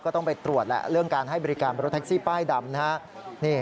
ต้องไปตรวจแหละเรื่องการให้บริการรถแท็กซี่ป้ายดำนะฮะ